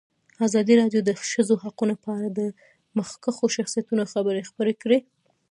ازادي راډیو د د ښځو حقونه په اړه د مخکښو شخصیتونو خبرې خپرې کړي.